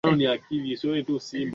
Alivuta mkia darasani